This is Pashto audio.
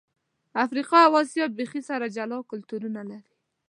افریقا او آسیا بیخي سره جلا کلتورونه لري.